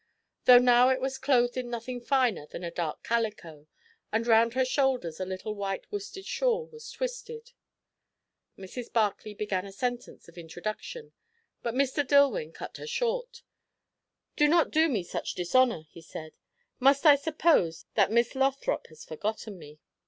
Though now it was clothed in nothing finer than a dark calico, and round her shoulders a little white worsted shawl was twisted. Mrs. Barclay began a sentence of introduction, but Mr. Dillwyn cut her short. "Do not do me such dishonour," he said. "Must I suppose that Miss Lothrop has forgotten me?"